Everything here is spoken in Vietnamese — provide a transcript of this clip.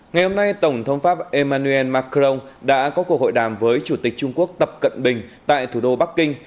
ngày hôm nay tổng thống pháp emmanuel macron đã có cuộc hội đàm với chủ tịch trung quốc tập cận bình tại thủ đô bắc kinh